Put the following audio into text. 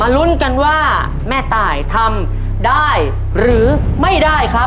ลุ้นกันว่าแม่ตายทำได้หรือไม่ได้ครับ